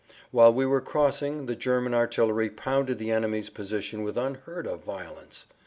While we were crossing, the German artillery pounded the enemy's position with unheard of violence.